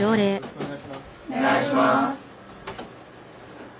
お願いします。